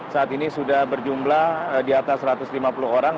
saat ini sudah berjumlah di atas satu ratus lima puluh orang